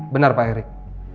benar pak erick